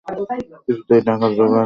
কিছুতেই টাকার জোগাড় আর হয় না।